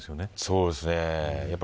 そうですね。